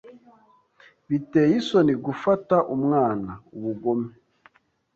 Biteye isoni gufata umwana ubugome.